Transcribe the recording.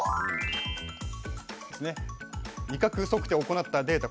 味覚測定を行ったデータ